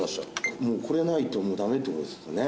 もうこれないともうダメってことですもんね